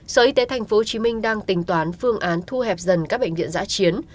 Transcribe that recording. sở y tế tp hcm đang tính toán phương án thu hẹp dần các bệnh viện giã chiến